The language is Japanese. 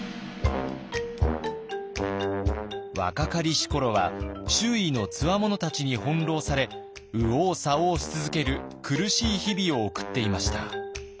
若かりし頃は周囲のつわものたちに翻弄され右往左往し続ける苦しい日々を送っていました。